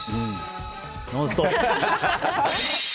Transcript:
「ノンストップ！」。